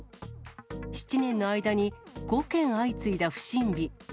７年の間に５件相次いだ不審火。